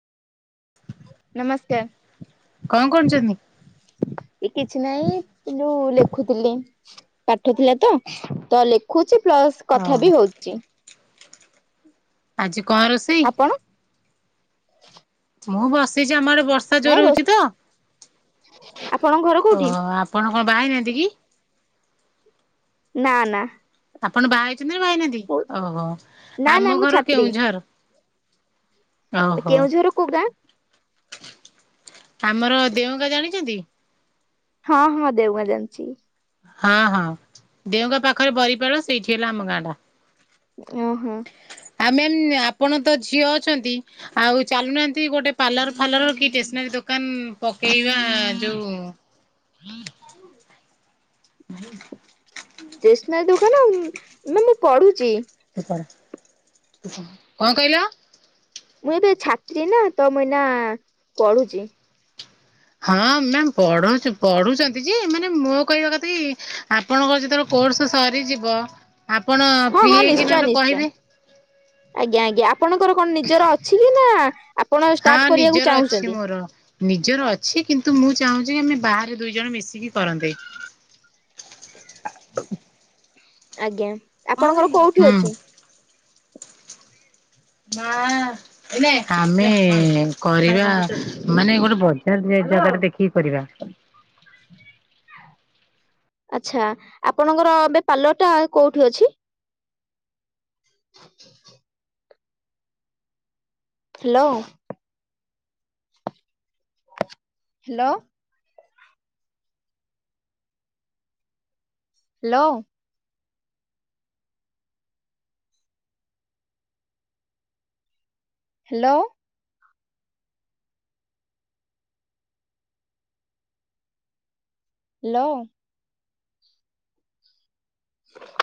କଣ କରୁଛନ୍ତି? ନମସ୍କାର। କି [unintelligible] ଉଠୁଥିଲା ତ ତ ଲେଖୁଛି ପ୍ଲସ କଥା ଓହୋ। ବି ହୋଉଚି। ଆଜି କଣ ରୋଷେଇ? ଆପଣ [inaudible] ମୁଁ ବସିଚି ଆମ ବର୍ଷା ନାଇଁ ଜୋର ରୋ ହଉଚି ତ ଆପଣଙ୍କ ଘର କୋଉଠି ଓହୋ ଆପଣ କଣ ବାହା ହେଇନାହାନ୍ତି କି? ନାଆ ନାଆ। ଆପଣ ବାହା ହେଇଚନ୍ତି ନା ବାହାହେଇ ନାହାନ୍ତି? ଓହୋ ନା ନା ଆମ ମୁଁ ଘର ଛାତ୍ରୀ କେଉଁଝର। ଓହୋ। କେଉଁଝର କୋଉ ଗାଁ? ଆମର ଦେଓ ଗାଁ ଜାଣିଛନ୍ତି? ହଁ ହଁ ଦେଓ ଗାଁ ଜାଣିଛି। ହଁ ହଁ ଦେଓ ଗାଁ ପାଖରେ ବରିପାଳ ସେଇଠି ହେଲା ଆମ ଗାଁ ଟା। ଓ ହୋ। ଆଉ ମ୍ୟାାମ୍ ଆପଣ ତ ଝିଅ ଅଛନ୍ତି ଆଉ ଚାଲୁନାହାନ୍ତି ଗୋଟେ ପାର୍ଲର ଫାଲର କି ଟେସ୍‌ନାରୀ ଦୋ ଦୋକାନ ପକେଇ ଟେସନାରୀ ଦୋକାନ ମ୍ୟାମ୍ ମୁଁ ପଢୁଛି। ପଢ କଣ କହିଲ? ମୁଁ ଏବେ ଛାତ୍ରୀ ନା ତ ମୁଁ ଏଇନା ପଢୁଛି। ହଁ ମ୍ୟାମ୍ ପଢଉଚ ପଢୁଛନ୍ତି ଯେ ମାନେ ମୋ କହିବା କଥା କି ଆପଣଙ୍କର ଯେତେବେଳେ କୋର୍ସ ସରିଯିବ ଆପଣ ହଁ ଫ୍ରି ହଁ ହେଇକି ନିଶ୍ଚୟ ନହେଲେ ନିଶ୍ଚୟ କହିବେ। ଆଜ୍ଞା ଆଜ୍ଞା ଆପଣଙ୍କର କଣ ନିଜର ଅଛି କି ନା ଆପଣ ଷ୍ଟାର୍ଟ ହଁ କରିବାକୁ ନିଜର ଅଛି ଚାହୁଁଛନ୍ତି ମୋର ନିଜର ଅଛି କିନ୍ତୁ ମୁଁ ଚାହୁଁଛି କି ଆମେ ବାହାରେ ଦୁଇ ଜଣ ମିଶିକି କରନ୍ତେ। [inaudible] [inaudible] ଆଜ୍ଞା ହୁଁ ଆପଣଙ୍କର କୋଉଠି ଅଛି? ମାଆ ଆ ଏଇ ନେ ଆମେ କରିବା ମାନେ ଗୋଟେ ବଡ ସେଟା ଗୋଟେ ବେ ଜାଗା ରେ ଦେଖିକି କରିବା। ଆଚ୍ଛା ଆପଣଙ୍କର hello. Hello. Hello. Hello. Hello. [inaudible]